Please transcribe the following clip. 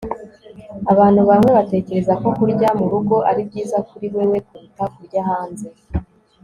abantu bamwe batekereza ko kurya murugo ari byiza kuri wewe kuruta kurya hanze